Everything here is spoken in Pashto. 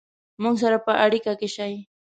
مونږ سره په اړیکه کې شئ